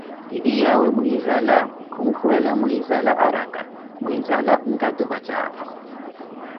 Titiyawe muinzala khunkhuwela muinzala arakah, muinzala nkatu vatjaapha